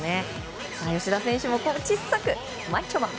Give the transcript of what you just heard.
吉田選手も小さく、マッチョマン。